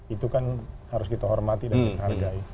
itu kan harus kita hormati dan kita hargai